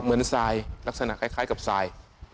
เหมือนทรายลักษณะคล้ายกับทราย